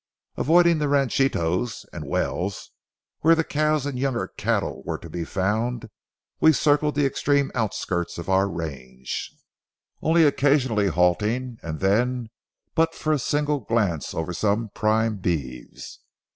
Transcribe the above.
Avoiding the ranchitos and wells, where the cows and younger cattle were to be found, we circled the extreme outskirts of our range, only occasionally halting, and then but for a single glance over some prime beeves.